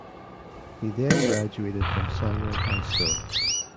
He then graduated from Sanger High School.